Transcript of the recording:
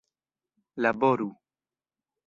laboru